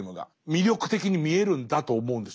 魅力的に見えるんだと思うんです。